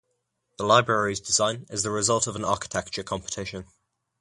The library's design is the result of an architecture competition.